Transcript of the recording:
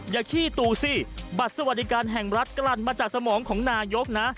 ขี้ตูสิบัตรสวัสดิการแห่งรัฐกลั่นมาจากสมองของนายกนะ